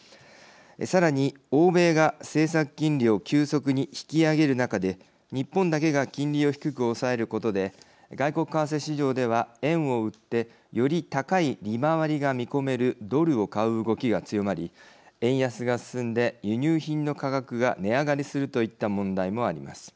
さらに欧米が政策金利を急速に引き上げる中で日本だけが金利を低く抑えることで外国為替市場では円を売ってより高い利回りが見込めるドルを買う動きが強まり円安が進んで輸入品の価格が値上がりするといった問題もあります。